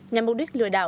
nhằm mục đích lừa đảo